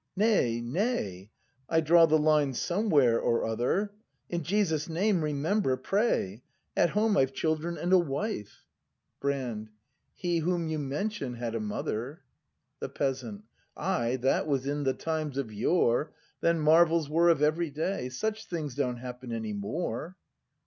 ] Nay, nay, I draw the line somewhere or other ! In Jesus' name, remember, pray. At home I've children and a wife. ACT I] BRAND 23 Brand. He whom you mention had a mother. The Peasant. Ay, that was in the times of yore; — Then marvels were of every day; Such things don't happen any more.